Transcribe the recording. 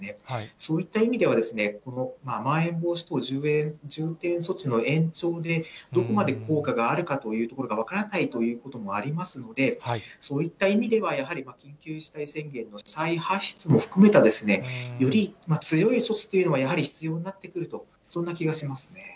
そういった意味では、このまん延防止等重点措置の延長で、どこまで効果があるかというところが分からないということもありますので、そういった意味では、やはり緊急事態宣言の再発出も含めたですね、より強い措置というのがやはり必要になってくると、そんな気がしますね。